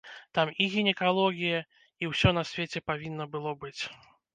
Там і гінекалогія, і усё на свеце павінна было быць.